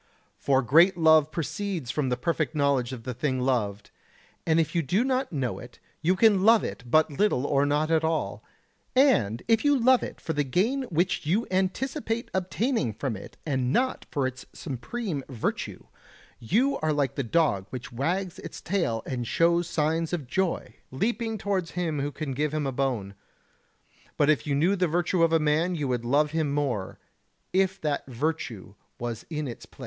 For great love proceeds from the perfect knowledge of the thing loved; and if you do not know it you can love it but little or not at all; and if you love it for the gain which you anticipate obtaining from it and not for its supreme virtue, you are like the dog which wags its tail and shows signs of joy, leaping towards him who can give him a bone. But if you knew the virtue of a man you would love him more if that virtue was in its place.